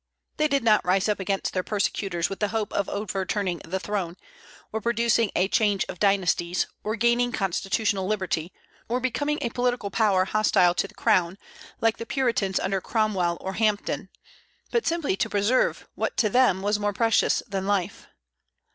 They did not rise up against their persecutors with the hope of overturning the throne, or producing a change of dynasties, or gaining constitutional liberty, or becoming a political power hostile to the crown, like the Puritans under Cromwell or Hampden, but simply to preserve what to them was more precious than life.